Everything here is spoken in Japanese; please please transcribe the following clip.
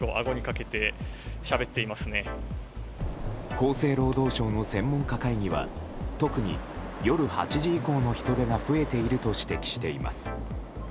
厚生労働省の専門家会議は特に夜８時以降の人出が増えていると指摘しています。